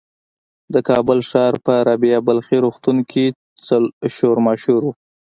د کابل ښار په رابعه بلخي روغتون کې شور ماشور و.